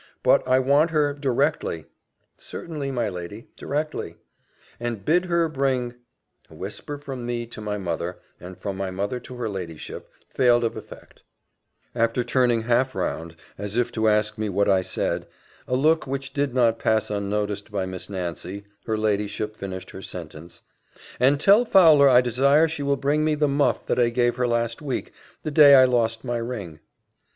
"But I want her directly." "Certainly, my lady, directly." "And bid her bring " A whisper from me to my mother, and from my mother to her ladyship, failed of effect: after turning half round, as if to ask me what I said a look which did not pass unnoticed by Miss Nancy her ladyship finished her sentence "And tell Fowler I desire she will bring me the muff that I gave her last week the day I lost my ring."